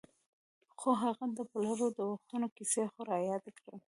خو هغه د پلرو د وختونو کیسې خو رایادې کړه.